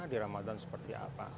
di ramadan seperti apa